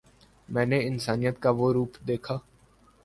میں نے انسانیت کا وہ روپ دیکھا